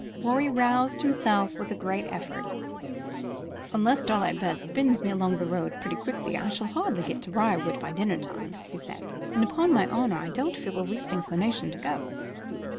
Rorie roused himself with a great effort. "Unless Starlight Bess spins me along the road pretty quickly, I shall hardly get to Briarwood by dinner time," he said; "and upon my honour, I don't feel the least inclination to go."